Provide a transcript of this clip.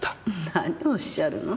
何をおっしゃるの？